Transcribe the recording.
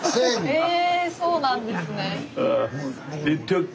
えそうなんですね。